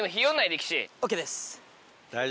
ＯＫです。